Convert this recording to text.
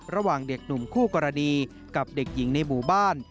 ระหว่างเด็กหนุ่มคู่กรณีกับเด็กหญิงในหมู่บ้าน